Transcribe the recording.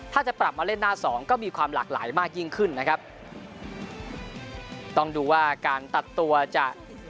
ถ้าจะปรับมาเล่นหน้าสองก็มีความหลากหลายมากยิ่งขึ้นนะครับต้องดูว่าการตัดตัวจะ